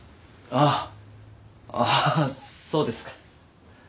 あっあぁそうですか。